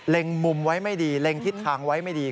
มุมไว้ไม่ดีเล็งทิศทางไว้ไม่ดี